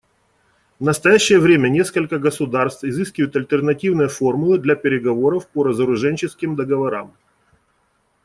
В настоящее время несколько государств изыскивают альтернативные формулы для переговоров по разоруженческим договорам.